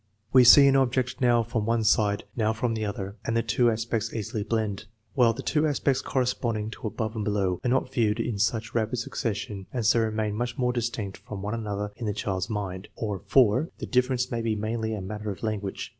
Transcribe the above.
We see an object now from one side, now from the other, and the two aspects easily blend, while the two aspects corresponding to above and below are not viewed in such rapid succession and so remain much more distinct from one another in the child's mind. Or, (4), the difference may be mainly a matter of language.